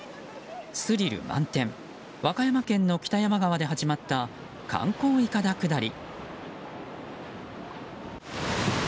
スリル満点、和歌山県の北山川で始まった観光いかだ下り。